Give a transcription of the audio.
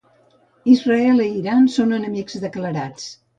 Israel i l’Iran són enemics declarats.